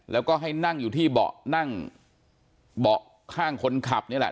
แล้วก็ให้นั่งอยู่ที่เบาะนั่งเบาะข้างคนขับนี่แหละ